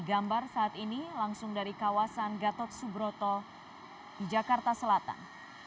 gambar saat ini langsung dari kawasan gatot subroto di jakarta selatan